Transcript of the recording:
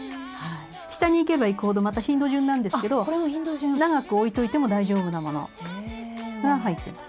下に行けば行くほどまた頻度順なんですけど長くおいといても大丈夫なものが入ってます。